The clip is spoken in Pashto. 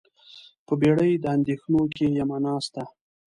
په بیړۍ د اندیښنو کې یمه ناسته